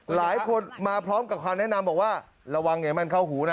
หลายคนมาพร้อมกับคำแนะนำบอกว่าระวังอย่าให้มันเข้าหูนะ